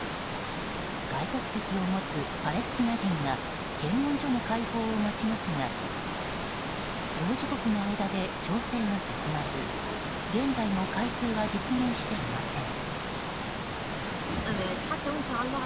外国籍を持つパレスチナ人が検問所の開放を待ちますが当事国の間で調整が進まず現在も開通は実現していません。